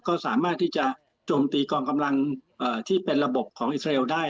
ก็สามารถที่จะโจมตีกองกำลังที่เป็นระบบของอิสราเอลได้